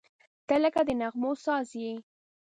• ته لکه د نغمو ساز یې.